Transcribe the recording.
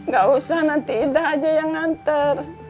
gak usah nanti ida aja yang antar